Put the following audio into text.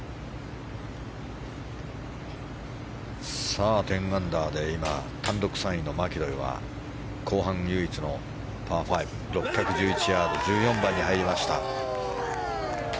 さあ、１０アンダーで単独３位のマキロイは後半唯一のパー５６１１ヤード１４番に入りました。